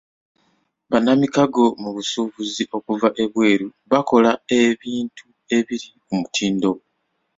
Bannamikago mu busuubuzi okuva ebweru bakola ebintu ebiri ku mutindo.